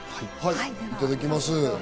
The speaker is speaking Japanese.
いただきます。